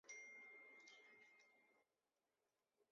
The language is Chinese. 帚状香茶菜为唇形科香茶菜属下的一个种。